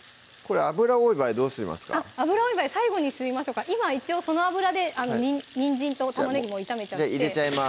脂多い場合最後に吸いましょうか今一応その脂でにんじんと玉ねぎ炒めちゃって入れちゃいます